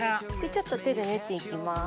ちょっと手で練って行きます。